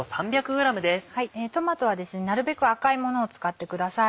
トマトはなるべく赤いものを使ってください。